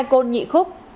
hai con nhị khúc